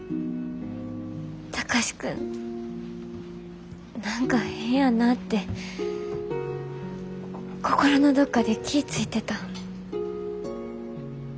貴司君何か変やなって心のどっかで気ぃ付いてた。